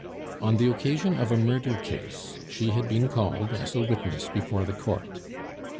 On the occasion of a murder case, she had been as a witness before the Court.